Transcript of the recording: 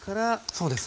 そうです。